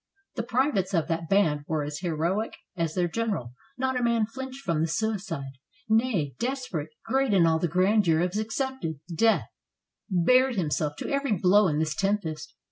The privates of that band were as heroic as their general. Not a man flinched from the suicide. Ney, desperate, great in all the grandeur of accepted ^ Save yourselves. 381 FRANCE death, bared himself to every blow in this tempest.